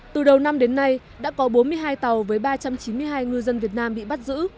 từ đầu năm đến nay đã có bốn mươi hai tàu với ba trăm chín mươi hai ngư dân việt nam bị bắt giữ